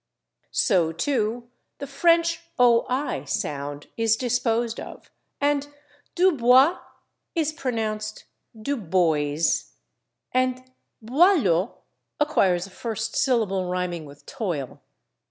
So too, the French /oi/ sound is disposed of, and /Dubois/ is pronounced /Doo bóys/, and /Boileau/ acquires a first syllable rhyming with /toil